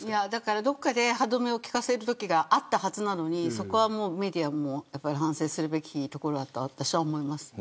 どこかで歯止めを利かせるときがあったはずなのにそこはメディアも反省すべきところだと私は思います。